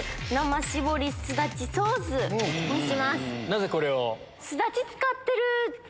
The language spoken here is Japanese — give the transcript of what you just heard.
なぜこれを？